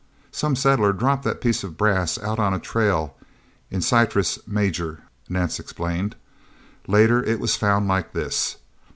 "Some settler dropped the piece of brass out on a trail in Syrtis Major," Nance explained. "Later, it was found like this.